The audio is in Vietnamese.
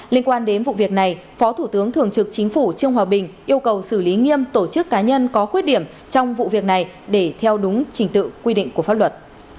liên quan đến vụ việc này phó thủ tướng thường trực chính phủ trương hòa bình yêu cầu xử lý nghiêm tổ chức cá nhân có khuyết điểm trong vụ việc này để theo đúng trình tự quy định của pháp luật